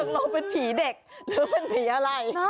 เราเป็นผีเด็กหรือเป็นผีอะไร